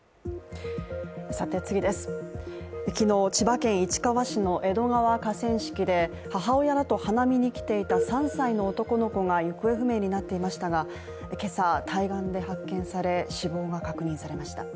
昨日、千葉県市川市の江戸川河川敷で母親らと花見に来ていた３歳の男の子が行方不明になっていましたがけさ、対岸で発見され死亡が確認されました。